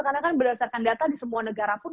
karena kan berdasarkan data di semua negara pun